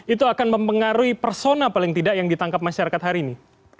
itu akan mempengaruhi persona paling tidak yang ditangkap masyarakat hari ini